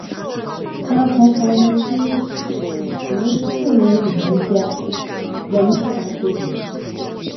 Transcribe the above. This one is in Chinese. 他曾从其叔著名语言学家杨树达学习。